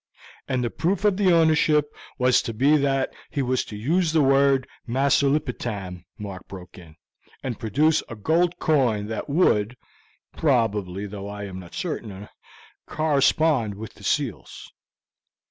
"And that the proof of his ownership was to be that he was to use the word 'Masulipatam,'" Mark broke in, "and produce a gold coin that would, probably though of this I am not certain correspond with the seals."